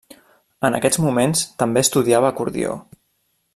En aquests moments també estudiava acordió.